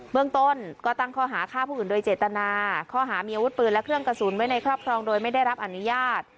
เมืองต้นก็ตั้งข้อหาฆ่าผู้อื่นโดยเจตนาข้อหามีอาวุธปืนและเครื่องกระสุนไว้ในครอบครองโดยไม่ได้รับอนุญาต